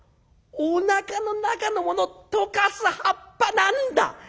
おなかの中のものを溶かす葉っぱなんだ！